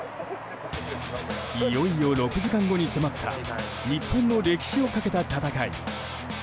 いよいよ６時間後に迫った日本の歴史をかけた戦い。